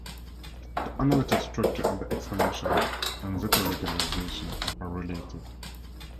The analytic structure of the exponential and zeta-regularizations are related.